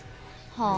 はい。